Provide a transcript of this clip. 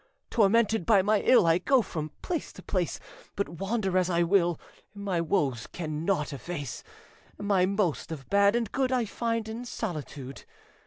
Tormented by my ill, I go from place to place, But wander as I will My woes can nought efface; My most of bad and good I find in solitude.